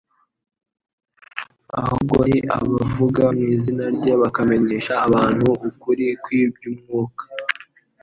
ahubwo ni abavuga mu izina rye bakamenyesha abantu ukuri kw'iby'umwuka